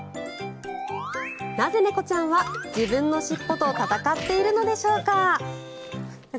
なぜ、猫ちゃんは自分の尻尾と戦っているのでしょうか。